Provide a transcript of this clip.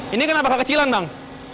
ini kenapa kekecilan bang